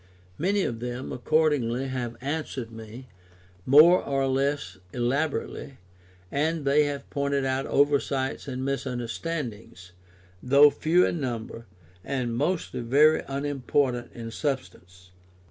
Many of them accordingly have answered me, more or less elaborately, and they have pointed out oversights and misunderstandings, though few in number, and mostly very unimportant in substance.